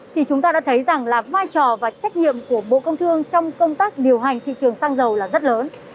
thì chúng ta đã thấy rằng là vai trò và trách nhiệm của bộ công thương trong công tác điều hành thị trường xăng dầu là rất lớn